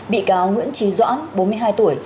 bị cáo nguyễn trí doãn bốn mươi hai tuổi